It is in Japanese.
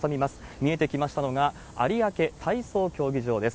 見えてきましたのが有明体操競技場です。